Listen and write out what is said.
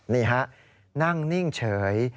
นี่ฮะนั่งนิ่งเฉย